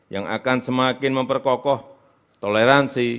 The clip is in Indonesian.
yang akan semakin memperkokoh toleransi